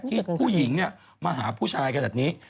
ที่ผู้หญิงมาหาผู้ชายขนาดนี้